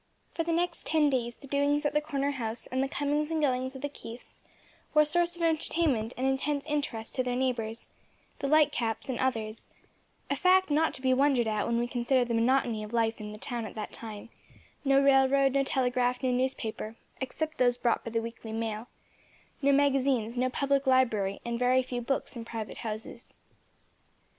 For the next ten days the doings at the corner house and the comings and goings of the Keiths were a source of entertainment and intense interest to their neighbors the Lightcaps and others; a fact not to be wondered at when we consider the monotony of life in the town at that time; no railroad, no telegraph, no newspaper, except those brought by the weekly mail; no magazines, no public library, and very few books in private houses.